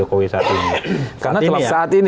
kami tidak mencoba mempertimbangkan jokowi saat ini